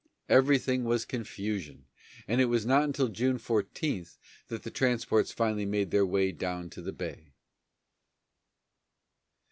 Everything was confusion, and it was not until June 14 that the transports finally made their way down the bay.